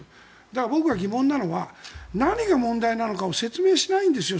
だから、僕が疑問なのは何が問題なのかを説明しないんですよ